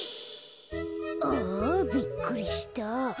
あびっくりした。